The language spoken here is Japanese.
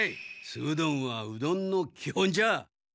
すうどんはうどんの基本じゃ！